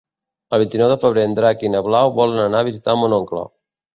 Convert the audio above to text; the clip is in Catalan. El vint-i-nou de febrer en Drac i na Blau volen anar a visitar mon oncle.